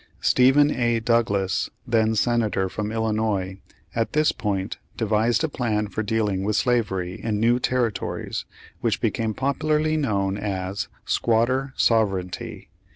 Stephen A. Douglas, then Senator from Illinois, at this point devised a plan for dealing with slavery in new territories which became popularly known as "squatter sovereignty."